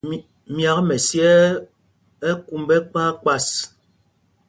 Myâk mɛsyɛɛ ú kumb ɛkpas kpas.